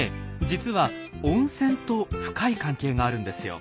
実は温泉と深い関係があるんですよ。